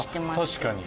確かに。